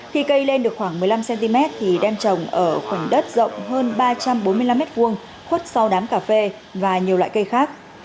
khi cây lên được khoảng một mươi năm cm thì đem trồng ở phần đất rộng hơn ba trăm bốn mươi năm m hai khuất sau đám cà phê và nhiều loại cây khác